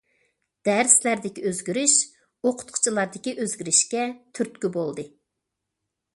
دەرسلەردىكى ئۆزگىرىش ئوقۇتقۇچىلاردىكى ئۆزگىرىشكە تۈرتكە بولدى.